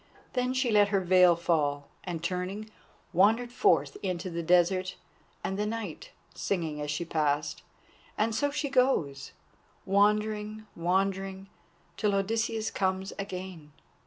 Then she let her veil fall, and turning, wandered forth into the desert and the night, singing as she passed. And so she goes, wandering, wandering, till Odysseus comes again.